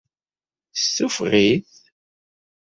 Yessuffeɣ-it?